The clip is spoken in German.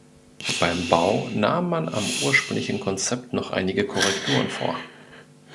Beim Bau nahm man am ursprünglichen Konzept noch einige Korrekturen vor.